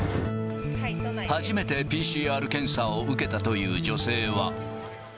初めてＰＣＲ検査を受けたという女性は。